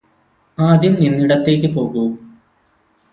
ആദ്യം നിന്നിടത്തേക്ക് പോകൂ